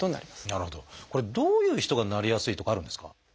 これどういう人がなりやすいとかあるんですか？